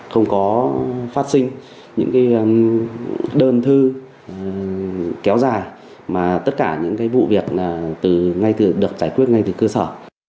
không có phát sinh những cái đơn thư kéo dài mà tất cả những cái vụ việc là từ ngay từ được giải quyết ngay từ cơ sở